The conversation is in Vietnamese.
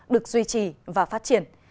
được duy trì và phát triển